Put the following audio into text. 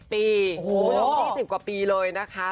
๒๑ปีโหลง๒๐กว่าปีเลยนะคะ